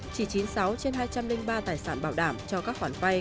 chỉ chín mươi sáu trên hai trăm linh ba tài sản bảo đảm cho các khoản vay